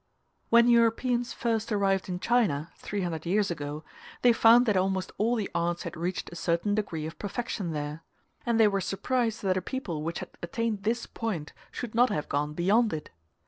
When Europeans first arrived in China, three hundred years ago, they found that almost all the arts had reached a certain degree of perfection there; and they were surprised that a people which had attained this point should not have gone beyond it.